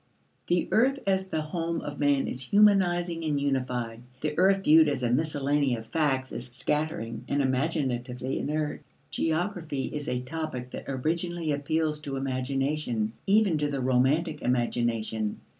The earth as the home of man is humanizing and unified; the earth viewed as a miscellany of facts is scattering and imaginatively inert. Geography is a topic that originally appeals to imagination even to the romantic imagination.